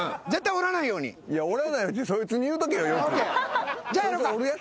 「折らないように」ってそいつに言うとけよよく。